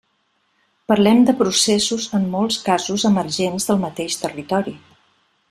Parlem de processos en molts casos emergents del mateix territori.